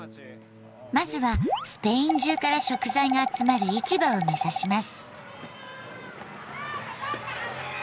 まずはスペイン中から食材が集まる市場を目指します。